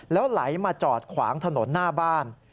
แล้วไหลมาจอดขวางถนนหน้าบ้าน